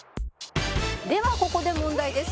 「ではここで問題です」